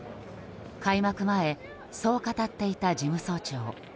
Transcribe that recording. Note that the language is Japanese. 開幕前、そう語っていた事務総長。